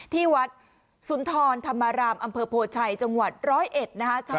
ที่วัดสุนทรธรรมรามอำเภอโพชัยจังหวัดร้อยเอ็ดนะคะ